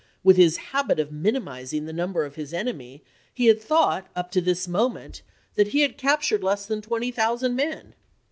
With his habit of minimizing the number of his enemy he had thought, up to this moment, that he had captured VICKSBURG 307 less than twenty thousand men.